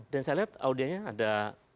dan saya lihat audienya ada